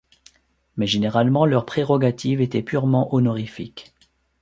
Mais généralement leurs prérogatives étaient purement honorifiques.